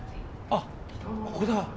あ、ここだ！